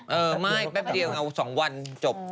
เออไม่แป๊บเดียวเอา๒วันจบ